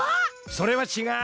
それはちがう。